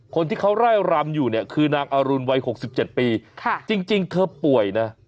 คนที่เขาไล่รำอยู่เนี่ยคือนางอรุณวัย๖๗ปีจริงเธอป่วยนะ